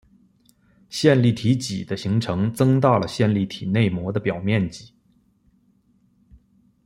线粒体嵴的形成增大了线粒体内膜的表面积。